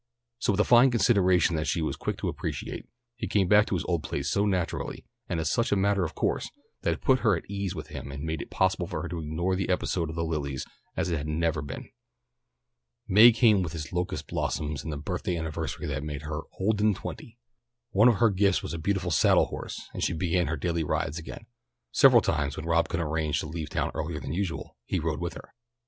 So with a fine consideration that she was quick to appreciate, he came back to his old place so naturally, and as such a matter of course, that it put her at her ease with him and made it possible for her to ignore the episode of the lilies as if it had never been. May came with its locust blossoms and the birthday anniversary that made her "old and twenty." One of her gifts was a beautiful saddle horse, and she began her daily rides again. Several times when Rob could arrange to leave town earlier than usual he rode with her.